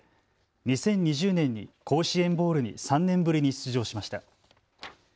２０２０年に甲子園ボウルに３年ぶりに出場しました。